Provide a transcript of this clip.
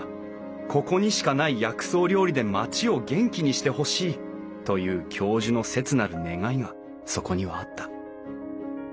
ここにしかない薬草料理で町を元気にしてほしいという教授の切なる願いがそこにはあった。